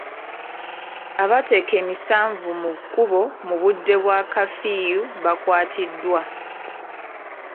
Abateeka emisanvu mu kkubo mu budde bwa kaafiyu bakwatiddwa.